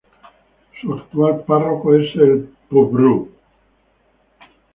Su actual párroco es el Pbro.